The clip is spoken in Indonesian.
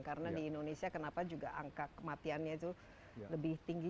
karena di indonesia kenapa juga angka kematiannya itu lebih tinggi